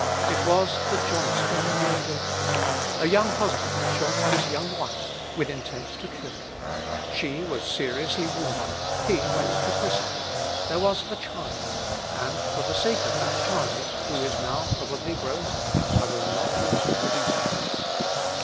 It was the Johnson tragedy. A young husband shot his young wife, with intent to kill. She was seriously wounded. He went to prison. There was a child, and for the sake of that child, who is now probably grown up, I will not relate the details.